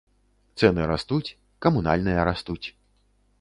Цэны растуць, камунальныя растуць.